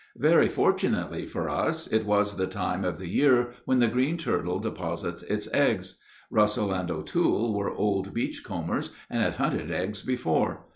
Very fortunately for us, it was the time of the year when the green turtle deposits its eggs. Russell and O'Toole were old beach combers, and had hunted eggs before.